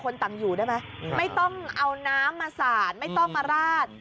คนต่างอยู่ได้ไหมไม่ต้องเอาน้ำมาสาดไม่ต้องมาราด